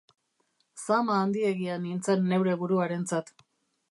Zama handiegia nintzen neure buruarentzat.